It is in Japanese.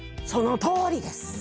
そのとおりです！